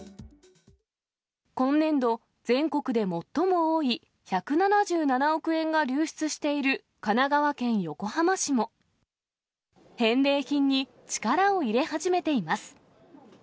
今年度、全国で最も多い１７７億円が流出している神奈川県横浜市も、返礼品に力を入れ始めています。